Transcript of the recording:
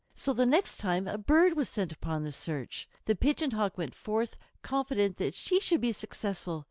So the next time a bird was sent upon the search. The Pigeon Hawk went forth, confident that she should be successful.